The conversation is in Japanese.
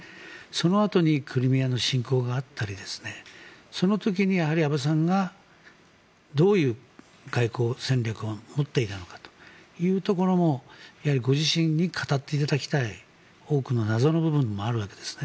そのあとにクリミアの侵攻があったりその時に安倍さんがどういう外交戦略を持っていたのかというところもご自身に語っていただきたい多くの謎の部分でもあるわけです